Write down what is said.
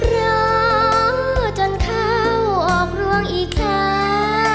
รอจนเข้าออกรวงอีกแค่